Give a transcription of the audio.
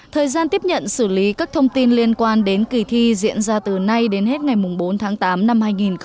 thời gian tiếp nhận xử lý các thông tin liên quan đến kỳ thi diễn ra từ nay đến hết ngày bốn tháng tám năm hai nghìn hai mươi